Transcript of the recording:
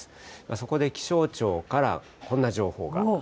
そこで気象庁からこんな情報が。